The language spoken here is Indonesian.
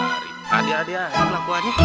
adi adi apa pelakuannya